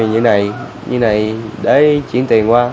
như này như này để chuyển tiền qua